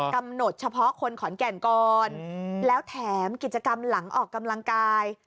กำหนดเฉพาะคนขอนแก่นก่อนแล้วแถมกิจกรรมหลังออกกำลังกาย